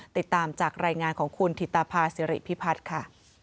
ติดตามจากรายงานของคุณถิตภาษิริพิพัฒน์ค่ะ